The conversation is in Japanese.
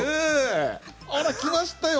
あら来ましたよ